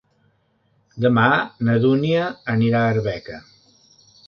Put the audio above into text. Demà na Dúnia anirà a Arbeca.